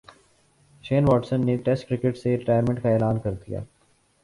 شین واٹسن نے test cricket سے ریٹائرمنٹ کا اعلان کر دیا